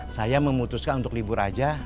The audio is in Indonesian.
saya memutuskan untuk libur saja